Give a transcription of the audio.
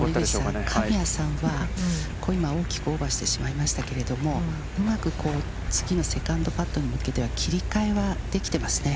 神谷さんは、今、大きくオーバーしてしまいましたけれども、うまく次のセカンドパットに向けては、切りかえはできてますね。